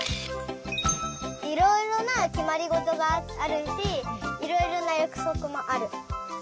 いろいろなきまりごとがあるしいろいろなやくそくもある。